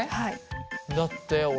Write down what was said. だって俺。